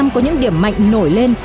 có những điểm mạnh nổi lên